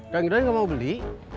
kang idoi gak mau beli